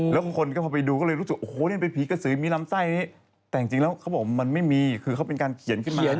แล้วคนก็พอไปดูก็เลยรู้สึกโอ้โหนี่มันเป็นผีกระสือมีลำไส้นี้แต่จริงแล้วเขาบอกมันไม่มีคือเขาเป็นการเขียนขึ้นมา